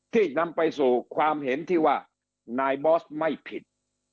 นำไปสู่ความเห็นที่ว่านายบอสไม่ผิด